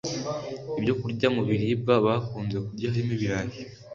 ibyokurya mu biribwa bakunze kurya harimo ibirayi .